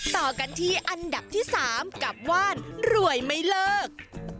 ต่อกันที่อันดับที่๓กับว่านรวยไม่เลิก